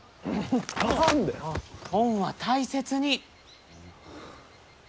本は大切に！